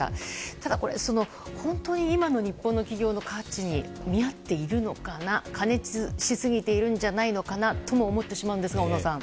ただ、本当に今の日本の企業の価値に見合っているのかな過熱しすぎているんじゃないのかなと思ってしまうんですが小野さん。